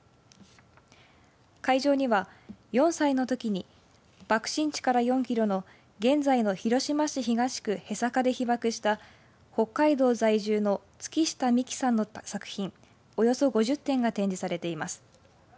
会場には４歳のときに爆心地から４キロの現在の広島市東区戸坂で被爆した北海道在住の月下美紀さんの作品およそ５０点が展示されています。